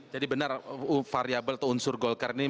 jadi benar variable atau unsur golkar ini